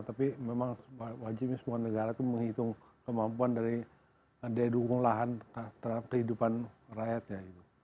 tapi memang wajibnya semua negara itu menghitung kemampuan dari daya dukung lahan terhadap kehidupan rakyatnya